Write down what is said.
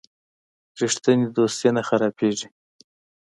رښتینی دوستي نه خرابیږي.